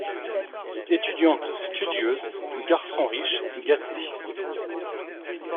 Étudiante studieuse, garçon riche gâté.